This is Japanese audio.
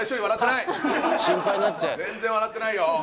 全然笑ってないよ